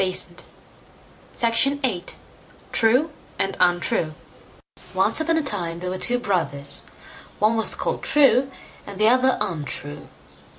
TALES FROM THE NORSE TRUE AND UNTRUE Once on a time there were two brothers; one was called True, and the other Untrue.